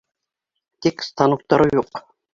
Тик станоктары юҡ.